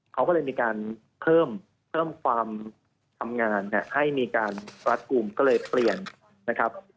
เขาก็เลยมีการเพิ่มความทำงานให้มีการรัดกลุ่มก็เลยเปลี่ยนนะครับ